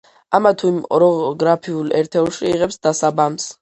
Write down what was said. ამა თუ იმ ოროგრაფიულ ერთეულში იღებს დასაბამს.